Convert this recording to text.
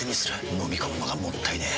のみ込むのがもったいねえ。